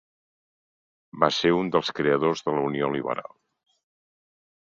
Va ser un dels creadors de la Unió Liberal.